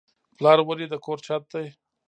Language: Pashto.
پلار ولې د کور چت دی؟